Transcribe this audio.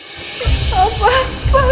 tolong suami saya suser ya tolong ya